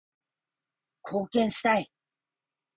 貢献したい